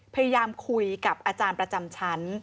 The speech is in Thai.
พยายามคุยกับอาจารย์ประจำชั้น